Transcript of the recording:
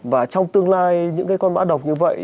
và trong tương lai những cái con mã độc như vậy